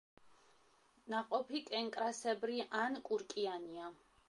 ნაყოფი კენკრასებრი ან კურკიანაა.